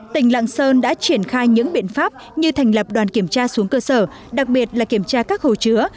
tỉnh lạng sơn đã triển khai những biện pháp như thành lập đoàn kiểm tra xuống cơ sở đặc biệt là kiểm tra các hồ chứa